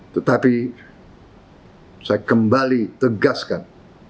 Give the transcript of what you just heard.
tetapi saya kembali tegaskan